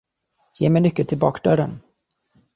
Ge mig nyckeln till bakdörren.